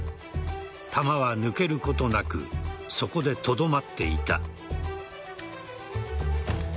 弾は抜けることなくそこでとどまっていた。